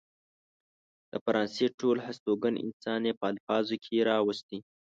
د فرانسې ټول هستوګن انسان يې په الفاظو کې راوستي.